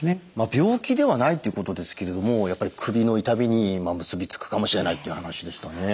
病気ではないっていうことですけれどもやっぱり首の痛みに結びつくかもしれないっていう話でしたね。